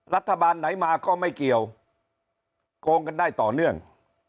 รัฐบาลไหนมาก็ไม่เกี่ยวโกงกันได้ต่อเนื่อง